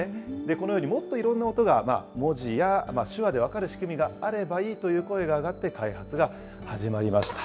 このようにもっといろんな音が文字や手話で分かる仕組みがあればいいという声が上がって、開発が始まりました。